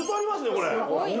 これ。